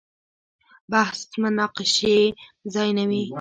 بحث مناقشې ځای نه وي.